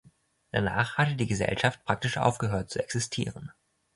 Danach hatte die Gesellschaft praktisch aufgehört zu existieren.